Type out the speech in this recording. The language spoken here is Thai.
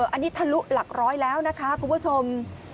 อันนี้ทะลุหลักร้อยแล้วนะคะคุณผู้ชม